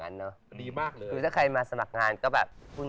นั้นสมัครบาทขูนตัวบ้าหรือถ้าคุณมีผัวออกเลยรอเลย